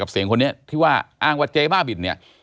เสียงคนนี้ที่ว่าอ้างว่าเจ๊บ้าบินเนี่ย